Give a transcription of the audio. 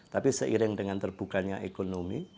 tapi seiring dengan terbukanya ekonomi